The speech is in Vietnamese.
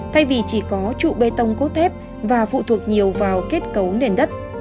thay vì chỉ có trụ bê tông cốt thép và phụ thuộc nhiều vào kết cấu nền đất